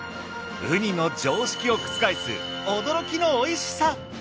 ウニの常識を覆す驚きのおいしさ。